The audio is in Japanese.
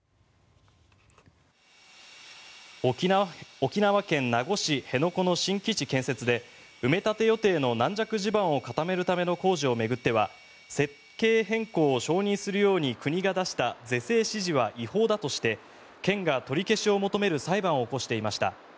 沖縄県名護市辺野古の新基地建設で埋め立て予定の軟弱地盤を固めるための工事を巡っては設計変更を承認するように国が出した是正指示は違法だとして県が取り消しを求める裁判を起こしていました。